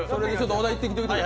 小田行ってきてくれ。